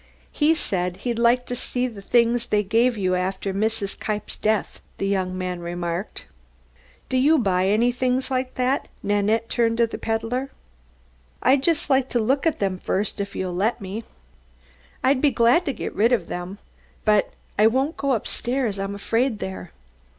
"He said he'd like to see the things they gave you after Mrs. Kniepp's death," the young man remarked, "Do you buy things like that?" Nanette turned to the peddler. "I'd just like to look at them first, if you'll let me." "I'd be glad to get rid of them. But I won't go upstairs, I'm afraid there."